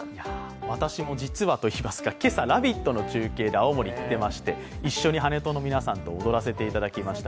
私も実はといいますか、今朝、「ラヴィット！」の中継で青森に行っていまして、一緒に跳人の皆さんと踊らせていただきました。